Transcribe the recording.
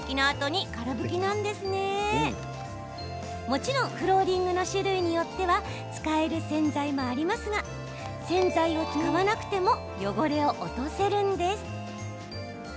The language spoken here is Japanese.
もちろんフローリングの種類によっては使える洗剤もありますが洗剤を使わなくても汚れを落とせるんです。